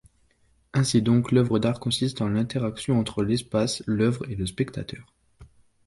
Ainsi donc l'œuvre d'art consiste en l'interaction entre l'espace, l'œuvre et le spectateur.